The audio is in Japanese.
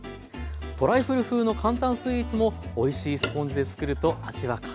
トライフル風の簡単スイーツもおいしいスポンジで作ると味は格別です。